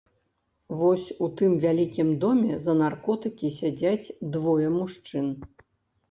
Вось у тым вялікім доме за наркотыкі сядзяць двое мужчын.